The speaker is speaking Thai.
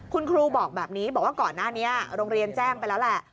คุณครูบอกแบบนี้บอกว่าก่อนหน้านี้โรงเรียนแจ้งไปแล้วแหละ